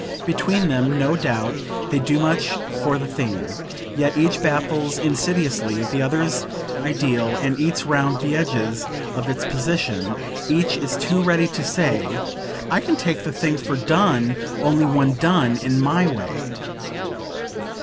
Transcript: Between them, no doubt, they do much for the theme; yet each baffles insidiously the other's ideal and eats round the edges of its position; each is too ready to say "I can take the thing for 'done' only when done in MY way."